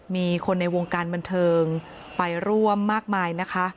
มีคนในวงการบันเทิงไปร่วมมากมายนะคะ